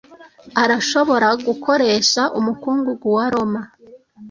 arashobora gukoresha umukungugu wa roma